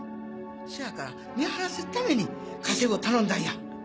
せやから見張らすために家政婦を頼んだんや。